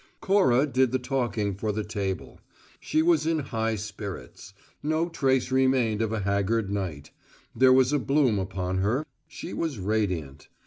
Cora did the talking for the table. She was in high spirits; no trace remained of a haggard night: there was a bloom upon her she was radiant.